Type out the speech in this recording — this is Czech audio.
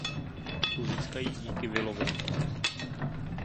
Tu získají díky Willovi.